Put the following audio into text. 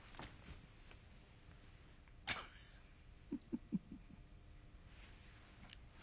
「フフフフ。